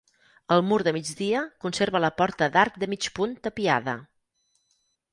El mur de migdia conserva la porta d'arc de mig punt tapiada.